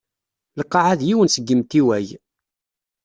Lqaɛa d yiwen seg imtiwag.